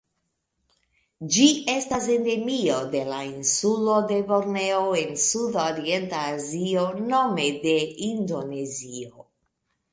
Ĝi estas endemio de la insulo de Borneo en Sudorienta Azio nome en Indonezio.